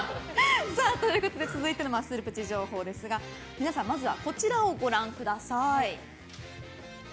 続いてのマッスルプチ情報ですが皆さん、まずはこちらをご覧ください。